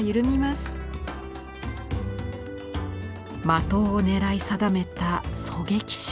的を狙い定めた狙撃手。